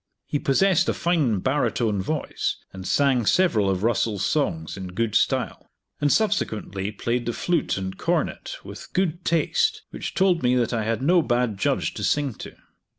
He possessed a fine baritone voice, and sang several of Russell's songs in good style; and, subsequently, played the flute and cornet with good taste, which told me that I had no bad judge to sing to.